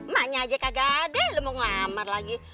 maknya aja kagak ada lu mau ngelamar lagi